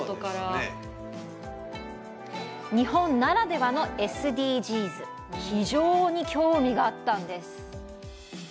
日本ならではのＳＤＧｓ非常に興味があったんです。